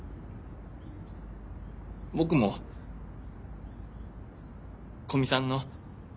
僕も古見さんの。